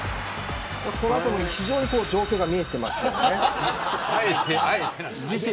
このあたり非常に状況が見えていますよね。